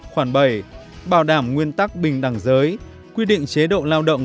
khoản bảy bảo đảm nguyên tắc bình đẳng giới quy định chế độ lao động